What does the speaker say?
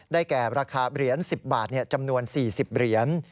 แก่ราคาเหรียญ๑๐บาทจำนวน๔๐เหรียญ